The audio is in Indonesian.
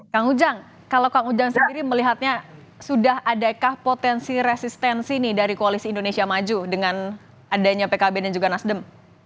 kang ujang kalau kang ujang sendiri melihatnya sudah adakah potensi resistensi nih dari koalisi indonesia maju dengan adanya pkb dan juga nasdem